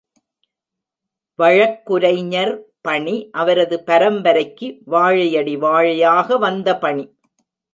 வழக்குரைஞர் பணி அவரது பரம்பரைக்கு வாழையடி வாழையாக வந்த பணி.